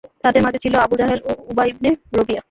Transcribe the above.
তাদের মাঝে ছিল আবু জাহেল ও উবা ইবনে রবীয়া।